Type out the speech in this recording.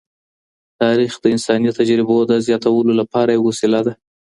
تاریخ د انساني تجربو د زیاتولو لپاره یوه وسیله ده.